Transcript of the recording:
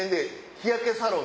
日焼けサロン。